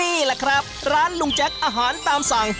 นี่แหละครับร้านลุงแจ็คอาหารตามสั่ง